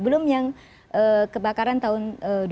belum yang kebakaran tahun dua ribu lima belas